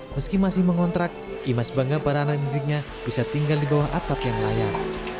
meski masih mengontrak imas bangga para anak didiknya bisa tinggal di bawah atap yang layar